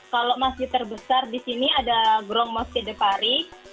kalau masjid terbesar di sini ada gros mosque de paris